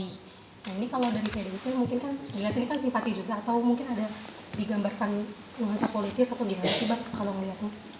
ini kalau dari pdi itu mungkin kan ini kan simpati juga atau mungkin ada digambarkan luasnya politis atau gimana